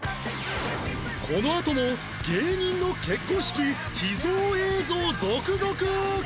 このあとも芸人の結婚式秘蔵映像続々！